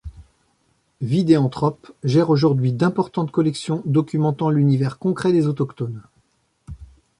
Vidéanthrop gère aujourd’hui d’importantes collections documentant l’univers concret des Autochtones.